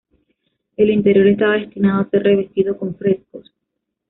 El interior estaba destinado a ser revestido con frescos.